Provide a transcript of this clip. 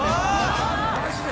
マジで？